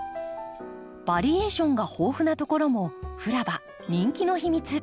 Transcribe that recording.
バリエーションが豊富なところもフラバ人気の秘密。